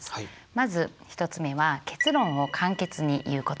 まず１つ目は結論を簡潔に言うこと。